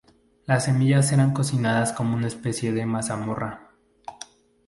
Las semillas eran cocinadas como una especie de mazamorra.